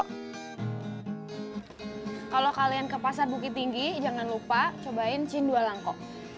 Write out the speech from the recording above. kalau kalian ke pasar bukit tinggi jangan lupa cobain cindualangko